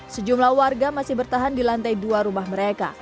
sejumlah warga masih bertahan di lantai dua rumah mereka